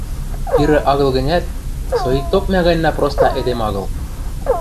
Пирӹ агыл гӹнят, соикток мӓ ганьна проста эдем агыл...